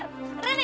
rene rene jangan